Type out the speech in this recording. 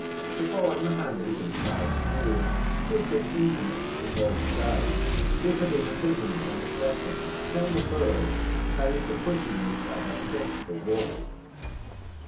The boy Mohammed and Shaykh Nur, who had been intimates the first day, differed in opinion on the second, and on the third came to pushing each other against the wall.